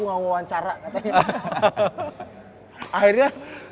gue gak mau wawancara katanya